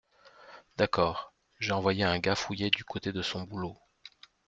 D’accord. J’ai envoyé un gars fouiller du côté de son boulot.